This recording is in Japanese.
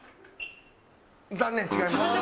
残念違います。